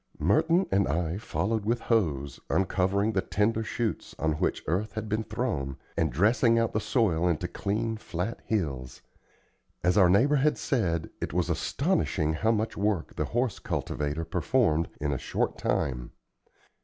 Merton and I followed with hoes, uncovering the tender shoots on which earth had been thrown, and dressing out the soil into clean flat hills. As our neighbor had said, it was astonishing how much work the horse cultivator performed in a short time.